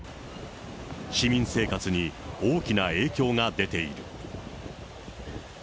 市民生活に大きな影響が出ている。